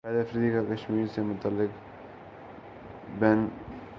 شاہد افریدی کا کشمیر سے متعلق بیانبھارتی کرکٹرز کو اگ لگ گئی